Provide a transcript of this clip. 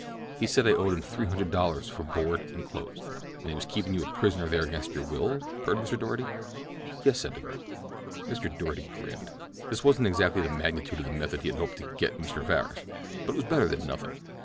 "He said I owed him three hundred dollars for board and clothes." "An' he was keepin' you a prisoner there against your will?" purred Mr. Doarty. "Yes," said the girl. Mr. Doarty grinned. This wasn't exactly the magnitude of the method he had hoped to "get" Mr. Farris; but it was better than nothing.